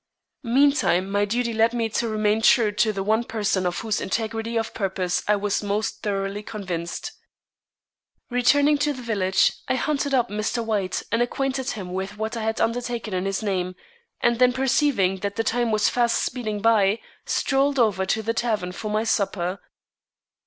Meantime my duty led me to remain true to the one person of whose integrity of purpose I was most thoroughly convinced. Returning to the village, I hunted up Mr. White and acquainted him with what I had undertaken in his name; and then perceiving that the time was fast speeding by, strolled over to the tavern for my supper.